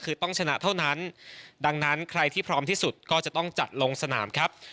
คือต้องชนะเท่านั้นดังนั้นใครที่พร้อมที่สุดก็จะต้องจัดลงสนามครับ